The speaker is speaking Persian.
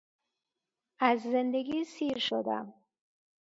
اززند گی سیرشدم